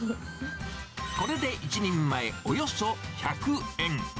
これで１人前およそ１００円。